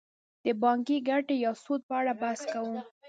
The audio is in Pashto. د بانکي ګټې یا سود په اړه بحث کوو